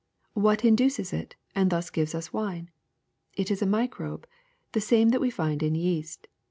What induces it and thus gives us wine? It is a microbe, the same as that we find in yeast.